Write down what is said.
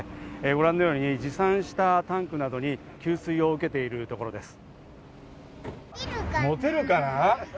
ご覧のように持参したタンクなどに給水を受けているところです。